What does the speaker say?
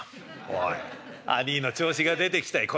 「おい兄ぃの調子が出てきたい。